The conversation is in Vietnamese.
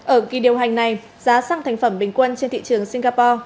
ở kỳ điều hành này giá xăng thành phẩm bình quân trên thị trường singapore